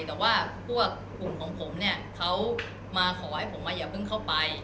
แต่ว่าพวกกลุ่มของผมเนี่ยเขามาขอให้ผมอย่าเพิ่งเข้าไป